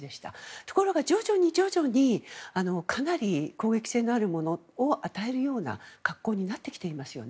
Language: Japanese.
ところが徐々にかなり攻撃性のあるものを与えるような格好になってきていますよね。